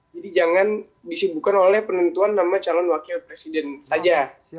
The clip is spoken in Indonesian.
jadi jangan disibukan oleh penentuan nama calon wakil presiden saja